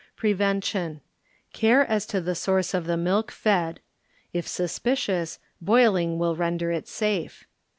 Prevention. ŌĆö Care as to the source of the milk fed; if suspicious, boiling will render it safe.